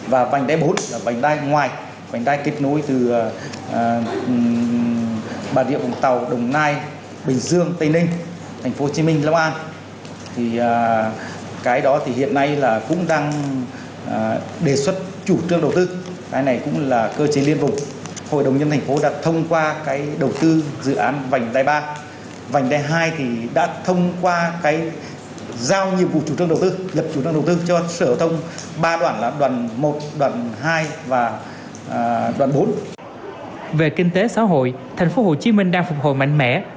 về kinh tế xã hội thành phố hồ chí minh đang phục hồi mạnh mẽ